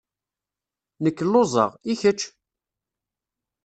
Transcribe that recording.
Nekk lluẓeɣ. I kečč?